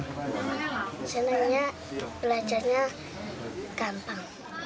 senangnya belajarnya gampang